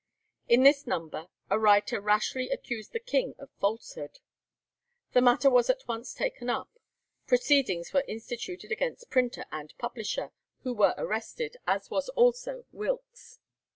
In this number a writer rashly accused the king of falsehood. The matter was at once taken up; proceedings were instituted against printer and publisher, who were arrested, as was also Wilkes.